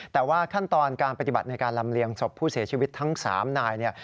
แต่ว่าขั้นตอนการปฏิบัติในการลำเลียงศพผู้เสียชีวิตทั้ง๓นายเนี่ย